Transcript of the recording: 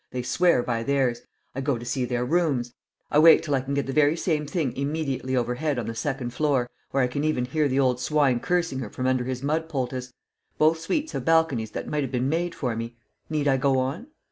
They swear by theirs. I go to see their rooms. I wait till I can get the very same thing immediately overhead on the second floor where I can even hear the old swine cursing her from under his mud poultice! Both suites have balconies that might have been made for me. Need I go on?"